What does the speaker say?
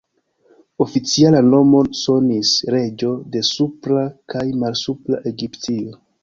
Oficiala nomo sonis ""reĝo de Supra kaj Malsupra Egiptio"".